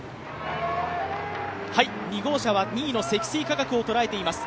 ２号車は２位の積水化学を捉えています。